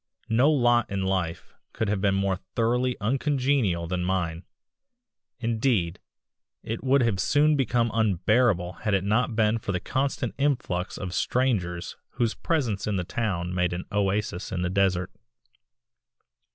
No lot in life could have been more thoroughly uncongenial than mine; indeed, it would have soon become unbearable had it not been for the constant influx of strangers whose presence in the town made an oasis in the desert.